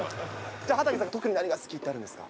じゃあ畠さん、特に何が好きってあるんですか。